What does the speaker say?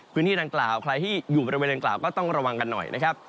พื้นที่ดังกล่าวใครที่อยู่บริเวณดังกล่าวก็ต้องระวังกันหน่อยนะครับ